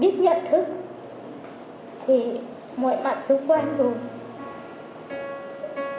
biết nhận thức thì mọi mặt xung quanh rồi